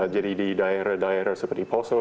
jadi di daerah daerah seperti poso